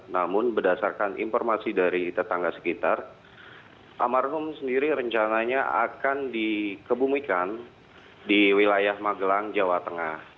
namun berdasarkan informasi dari tetangga sekitar almarhum sendiri rencananya akan dikebumikan di wilayah magelang jawa tengah